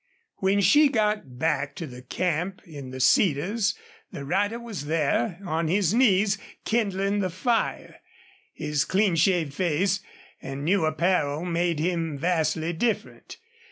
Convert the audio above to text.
When she got back to the camp in the cedars the rider was there, on his knees, kindling the fire. His clean shaved face and new apparel made him vastly different.